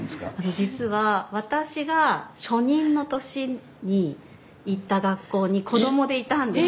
実は私が初任の年に行った学校に子どもでいたんです。